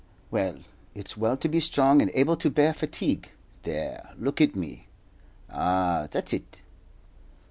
Well, it's well to be strong and able to bear fatigue. There, look at me. Ah, that's it!"